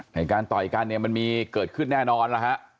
การต่อยกันเนี่ยมันมีเกิดขึ้นแน่นอนล่ะฮะ